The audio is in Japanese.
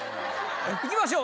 いきましょう！